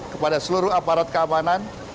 kepada seluruh aparat keamanan